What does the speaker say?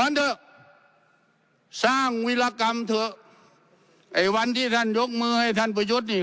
เถอะสร้างวิรากรรมเถอะไอ้วันที่ท่านยกมือให้ท่านประยุทธ์นี่